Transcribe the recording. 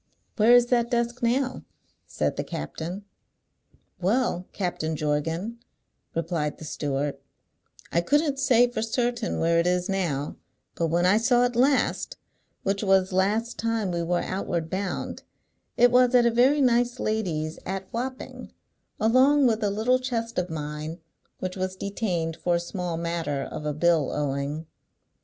"Where is that desk now?" said the captain. "Well, Captain Jorgan," replied the steward, "I couldn't say for certain where it is now; but when I saw it last, which was last time we were outward bound, it was at a very nice lady's at Wapping, along with a little chest of mine which was detained for a small matter of a bill owing."